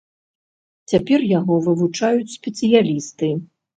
Цяпер яго вывучаюць спецыялісты.